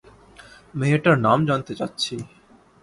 মেয়েটার নাম জানতে চাচ্ছি।